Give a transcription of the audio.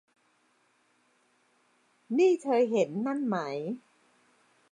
นี่ เธอเห็นนั่นไหม